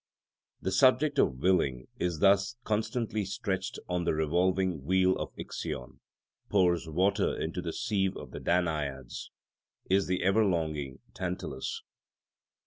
The subject of willing is thus constantly stretched on the revolving wheel of Ixion, pours water into the sieve of the Danaids, is the ever longing Tantalus.